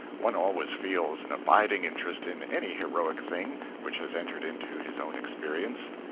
One always feels an abiding interest in any heroic thing which has entered into his own experience.